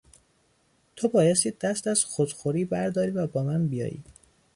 تو بایستی دست از خودخوری برداری و با من بیایی.